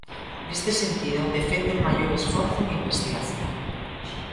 Neste sentido, defende un maior esforzo en investigación.